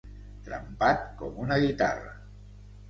Trempat com una guitarra.